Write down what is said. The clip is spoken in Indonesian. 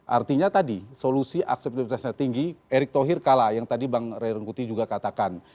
artinya tadi solusi akseptabilitasnya tinggi erick thohir kalah yang tadi bang ray rungkuti juga katakan